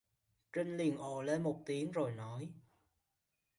Trinh liên ồ lên một tiếng rồi nói